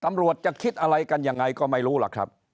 ตำรวจจะคิดอะไรกันยังไงก็ไม่รู้ล่ะครับ